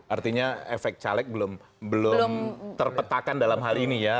artinya efek caleg belum terpetakan dalam hal ini ya